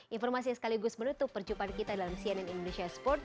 informasi yang sekaligus menutup perjumpaan kita dalam cnn indonesia sport